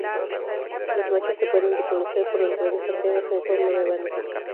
Los machos se pueden reconocer por las grandes antenas en forma de abanico.